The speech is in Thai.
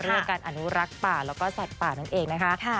เรื่องการอนุรักษ์ป่าแล้วก็สัตว์ป่านั่นเองนะคะ